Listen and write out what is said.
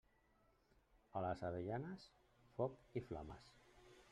A les avellanes, foc i flames.